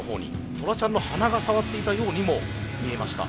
トラちゃんの鼻が触っていたようにも見えました。